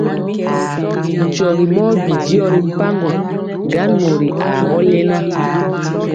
Nkyɔgi mɔ bi dyɔ ri mpaŋgo, gan mori aa gɔ lena.